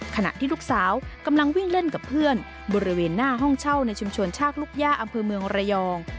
ขณะที่ลูกสาวกำลังวิ่งเล่นกับเพื่อนบริเวณหน้าห้องเช่าในชุมชนชากลูกย่าอำเภอเมืองระยอง